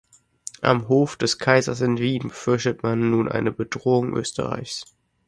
Am Hof des Kaisers in Wien fürchtete man nun eine Bedrohung Österreichs.